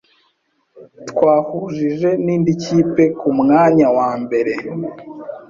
Twahujije n'indi kipe kumwanya wa mbere.